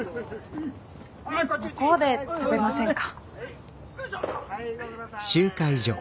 向こうで食べませんか？